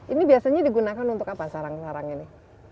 ini biasanya digunakan untuk apa sarang sarang ini